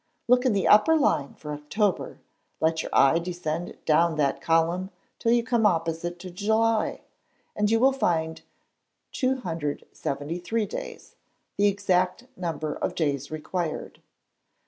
Look in the upper line for October, let your eye descend down that column till you come opposite to July, and you will find 273 days, the exact number of days required.